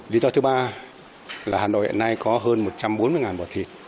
lý do thứ ba là hà nội hiện nay có hơn một trăm bốn mươi bò thịt